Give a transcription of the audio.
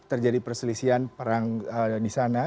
terjadi perselisihan perang di sana